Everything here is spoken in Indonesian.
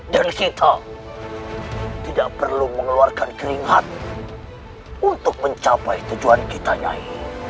dan kita tidak perlu mengeluarkan keringat untuk mencapai tujuan kita nyai